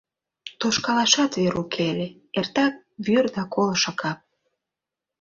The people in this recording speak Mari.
Тошкалашат вер уке ыле — эртак вӱр да колышо кап...